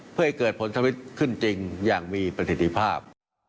เพื่อให้เกิดผลทวิตขึ้นจริงอย่างมีประสิทธิภาพ